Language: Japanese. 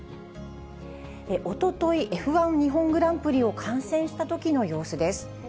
おととい、Ｆ１日本グランプリを観戦したときの様子です。